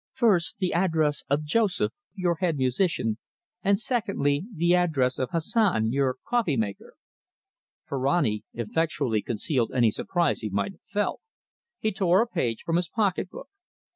First, the address of Joseph, your head musician, and, secondly, the address of Hassan, your coffee maker." Ferrani effectually concealed any surprise he might have felt. He tore a page from his pocket book.